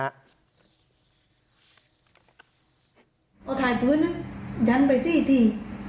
เอาถ่ายปืนนั้นยันไปสี่ที